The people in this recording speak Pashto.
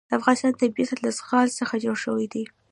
د افغانستان طبیعت له زغال څخه جوړ شوی دی.